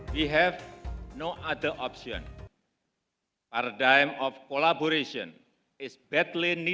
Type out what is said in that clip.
dan prinsip dari catar un konsisten